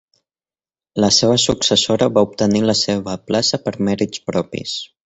La seva successora va obtenir la seva plaça per mèrits propis.